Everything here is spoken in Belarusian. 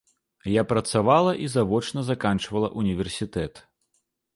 Я працавала і завочна заканчвала ўніверсітэт.